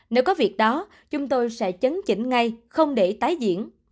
nếu có việc đó chúng tôi sẽ chấn chỉnh ngay không để tái diễn